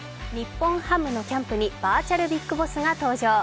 日本ハムのキャンプにバーチャル・ビッグボスが登場。